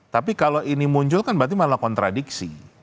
tapi kalau ini muncul kan berarti malah kontradiksi